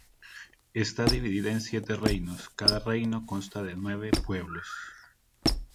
Está dividida en Siete Reinos, cada Reino consta de nueve pueblos.